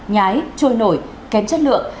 nhái trôi nổi kém chất lượng